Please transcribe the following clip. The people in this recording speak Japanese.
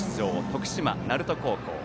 徳島・鳴門高校。